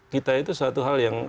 kita itu suatu hal yang